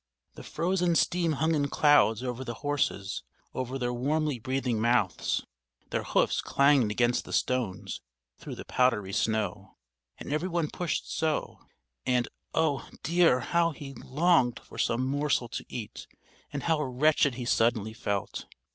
The frozen steam hung in clouds over the horses, over their warmly breathing mouths; their hoofs clanged against the stones through the powdery snow, and every one pushed so, and oh, dear, how he longed for some morsel to eat, and how wretched he suddenly felt.